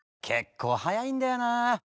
結構早いんだよな。